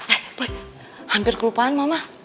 eh hampir kelupaan mama